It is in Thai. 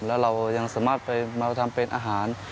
แล้วเรายังสามารถไปมาทำเป็นอาหาร